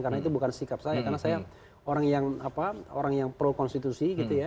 karena itu bukan sikap saya karena saya orang yang pro konstitusi